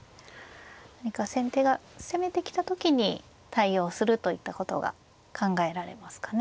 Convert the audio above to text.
何か先手が攻めてきた時に対応するといったことが考えられますかね。